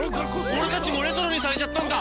俺たちもレトロにされちゃったんだ！